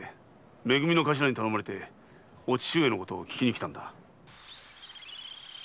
め組の頭に頼まれてお父上のことを聞きに来たんだ。